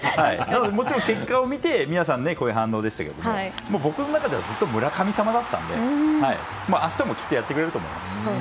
もちろん結果を見てこういう反応でしたが僕の中ではずっと村神様だったので明日もきっとやってくれると思います。